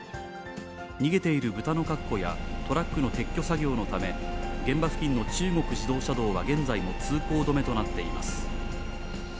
逃げている豚の確保やトラックの撤去作業のため、現場付近の中国自動車道は現在も通行止めとなっています。